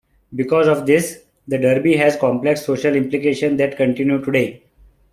Because of this, the derby has complex social implications that continue today.